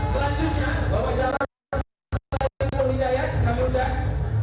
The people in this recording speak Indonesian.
selanjutnya bapak jalan perhidayat dan perhidayat kami undang